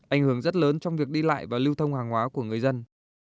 ảnh hưởng rất lớn trong việc đi lại và lưu thông hàng hóa của người dân